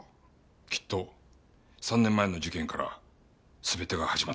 きっと３年前の事件から全てが始まっています。